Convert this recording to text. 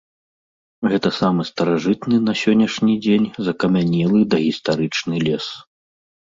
Гэта самы старажытны на сённяшні дзень закамянелы дагістарычны лес.